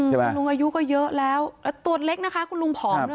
คุณลุงอายุก็เยอะแล้วแล้วตัวเล็กนะคะคุณลุงผอมด้วย